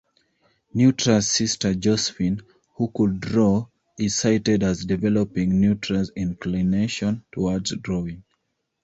Neutra's sister Josefine, who could draw, is cited as developing Neutra's inclination towards drawing.